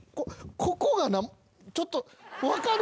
ここがなちょっと分かる？